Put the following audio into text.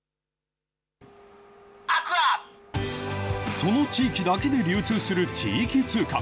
その地域だけで流通する地域通貨。